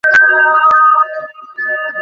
তোমার পেটে অন্য মানুষের সন্তান।